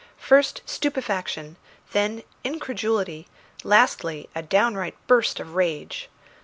First stupefaction, then incredulity, lastly a downright burst of rage.